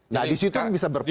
nah disitu bisa berproses